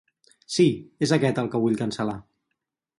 Sí, és aquest el que vull cancel·lar.